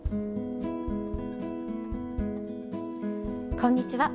こんにちは。